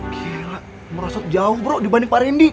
gila merosot jauh bro dibanding pak rendy